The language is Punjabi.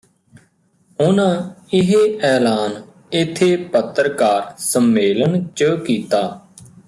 ਉਹਨਾਂ ਇਹ ਐਲਾਨ ਇੱਥੇ ਪੱਤਰਕਾਰ ਸੰਮੇਲਨ ਚ ਕੀਤਾ